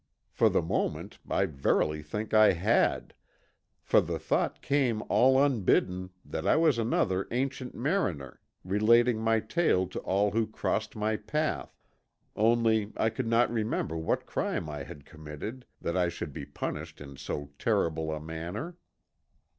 For the moment I verily think I had, for the thought came all unbidden that I was another Ancient Mariner relating my tale to all who crossed my path, only I could not remember what crime I had committed that I should be punished in so terrible a manner.